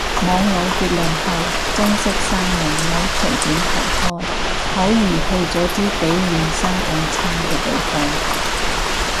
網友結論係，愛惜生命唔好隨便投胎，好易去咗啲比現生更差嘅地方